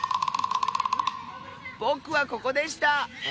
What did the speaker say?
ぼくはここでした！